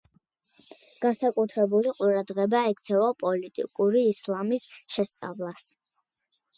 განსაკუთრებული ყურადღება ექცევა პოლიტიკური ისლამის შესწავლას.